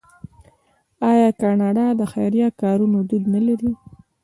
آیا کاناډا د خیریه کارونو دود نلري؟